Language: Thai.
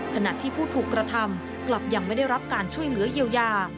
ขณะที่ผู้ถูกกระทำกลับยังไม่ได้รับการช่วยเหลือเยียวยา